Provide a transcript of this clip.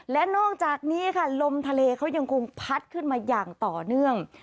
และนอกจากนี้ค่ะลมทะเลเขายังคงพัดขึ้นมาอย่างต่อเนื่อง